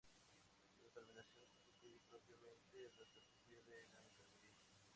Su determinación constituye propiamente a la Filosofía de la Enfermería.